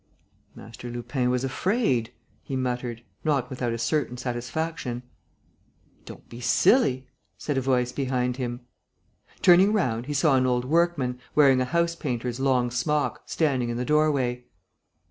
"Master Lupin was afraid," he muttered, not without a certain satisfaction. "Don't be silly," said a voice behind him. Turning round, he saw an old workman, wearing a house painter's long smock, standing in the doorway.